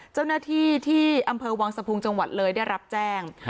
เจ้าหน้าที่ที่อำเภอวังสะพุงจังหวัดเลยได้รับแจ้ง